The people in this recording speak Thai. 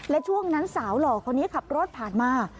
และช่วงนั้นสาวหล่อคนนี้ขับรถผ่านมา